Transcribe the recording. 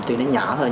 tuy nó nhỏ thôi